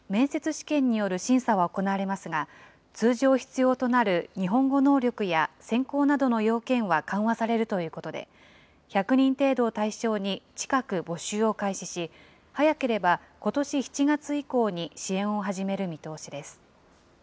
試験による審査は行われますが、通常必要となる日本語能力や専攻などの要件は緩和されるということで、１００人程度を対象に近く募集を開始し、早ければことし７月以降に支援を始める見通しです。